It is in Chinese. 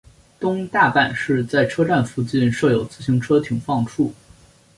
东大阪市在车站附近设有自行车停放处。